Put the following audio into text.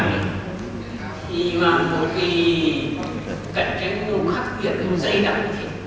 khi mà một cái cạnh tranh khác biệt dày đặc